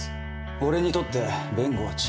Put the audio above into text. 俺にとって弁護は治療だ。